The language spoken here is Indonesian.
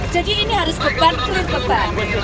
jadi ini harus beban clear beban